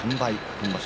今場所